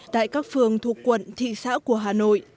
tại các phường thuộc quận thị xã của hà nội